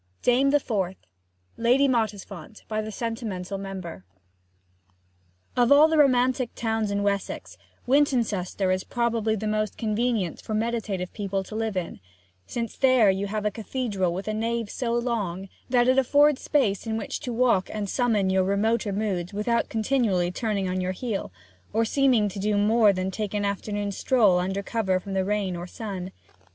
DAME THE FOURTH LADY MOTTISFONT By the Sentimental Member Of all the romantic towns in Wessex, Wintoncester is probably the most convenient for meditative people to live in; since there you have a cathedral with a nave so long that it affords space in which to walk and summon your remoter moods without continually turning on your heel, or seeming to do more than take an afternoon stroll under cover from the rain or sun.